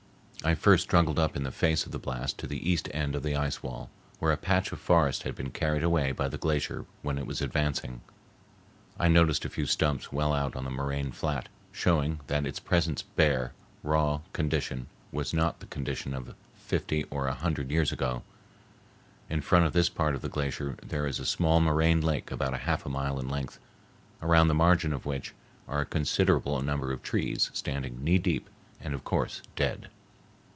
I first struggled up in the face of the blast to the east end of the ice wall, where a patch of forest had been carried away by the glacier when it was advancing. I noticed a few stumps well out on the moraine flat, showing that its present bare, raw condition was not the condition of fifty or a hundred years ago. In front of this part of the glacier there is a small moraine lake about half a mile in length, around the margin of which are a considerable number of trees standing knee deep, and of course dead.